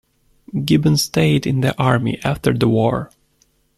Gibbon stayed in the army after the war.